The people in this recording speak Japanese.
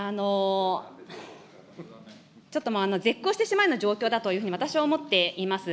ちょっと絶句をしてしまうような状況だというふうに私は思っています。